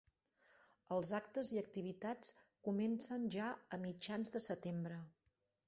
Els actes i activitats comencen ja a mitjans de setembre.